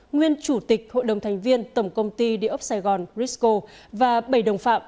nguyên chủ tịch hội đồng thành viên tổng công ty địa ốc sài gòn risco và bảy đồng phạm